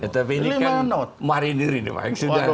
tapi ini kan marinir ini pak yang sudah hidup